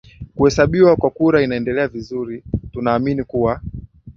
kuhesabiwa kwa kura inaendelea vizuri tunaamini kuwa